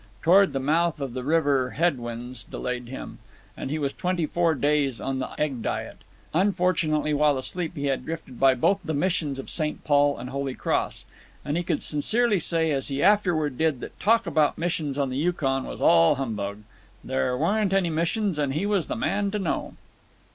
Toward the mouth of the river head winds delayed him, and he was twenty four days on the egg diet. Unfortunately, while asleep he had drifted by both the missions of St. Paul and Holy Cross. And he could sincerely say, as he afterward did, that talk about missions on the Yukon was all humbug. There weren't any missions, and he was the man to know.